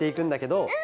うん。